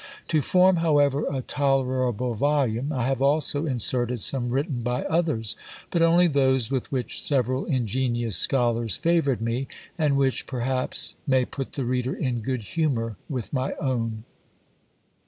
To form, however, a tolerable volume, I have also inserted some written by others, but only those with which several ingenious scholars favoured me, and which, perhaps, may put the reader in good humour with my own.